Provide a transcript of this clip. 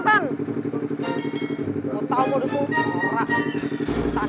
kalo tau gue udah selalu kring